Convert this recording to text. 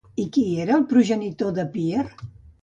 I qui era el progenitor de Píer?